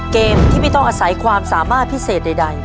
เกมที่ไม่ต้องอาศัยความสามารถพิเศษใด